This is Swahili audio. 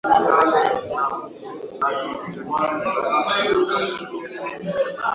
kazi inaendelea vizuri saa hii